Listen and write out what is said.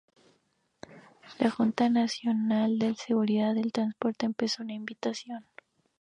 La Junta Nacional de Seguridad del Transporte empezó una investigación.